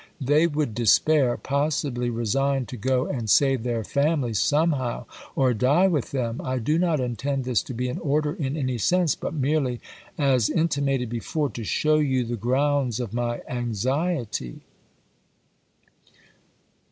They would despair, possibly resign to go and save their families somehow, or die with them. I do not intend this to be an order in any sense, but merelv, " Vol. VII.. as intimated before, to show you the grounds of my pp. 927, 928. anxiety.